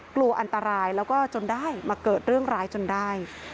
กลัวอันตรายแล้วก็จนได้มาเกิดเรื่องร้ายจนได้